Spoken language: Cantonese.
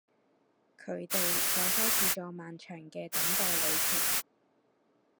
佢哋就開始咗漫長嘅等待旅程